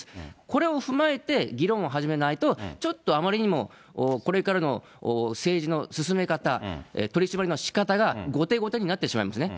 これを踏まえて、議論を始めないと、ちょっとあまりにもこれからの政治の進め方、取締りのしかたが後手後手になってしまいますね。